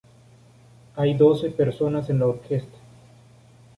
Hay doce personas en la orquesta.